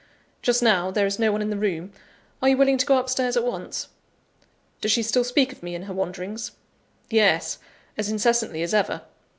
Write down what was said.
Just now, there is no one in the room are you willing to go up stairs at once?" "Does she still speak of me in her wanderings?" "Yes, as incessantly as ever."